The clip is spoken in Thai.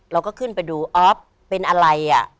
เราก็ขึ้นไปดูออฟเป็นอะไรอ่ะ